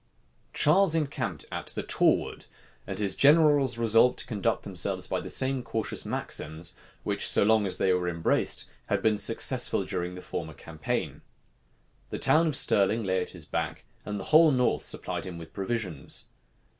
Charles encamped at the Torwood; and his generals resolved to conduct themselves by the same cautious maxims, which so long as they were embraced, had been successful during the former campaign. The town of Stirling lay at his back, and the whole north supplied him with provisions.